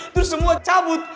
terus semua cabut